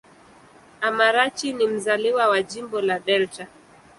Amarachi ni mzaliwa wa Jimbo la Delta.